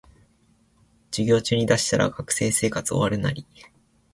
授業中に出したら学生生活終わるナリ